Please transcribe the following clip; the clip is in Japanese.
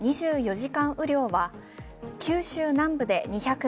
２４時間雨量は九州南部で２００ｍｍ